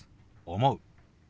「思う」。